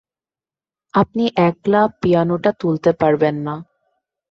আপনি একলা পিয়ানোটা তুলতে পারবেন না।